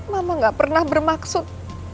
mama gak pernah bermaksud